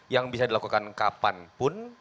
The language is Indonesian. yang bisa dilakukan kapanpun